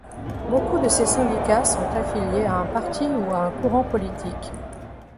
Beaucoup de ces syndicats sont affiliés à un parti ou à un courant politique.